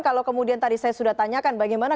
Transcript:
kalau kemudian tadi saya sudah tanyakan bagaimana